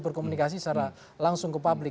berkomunikasi secara langsung ke publik